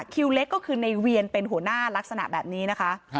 คิวเล็กก็คือในเวียนเป็นหัวหน้าลักษณะแบบนี้นะคะ